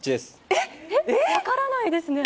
えっ？分からないですね。